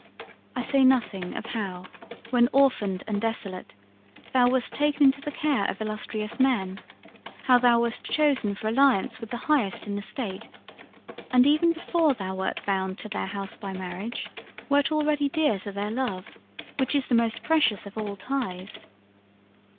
I say nothing of how, when orphaned and desolate, thou wast taken into the care of illustrious men; how thou wast chosen for alliance with the highest in the state and even before thou wert bound to their house by marriage, wert already dear to their love which is the most precious of all ties.